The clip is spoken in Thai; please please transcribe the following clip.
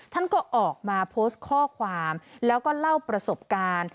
ท่านก็ออกมาโพสต์ข้อความแล้วก็เล่าประสบการณ์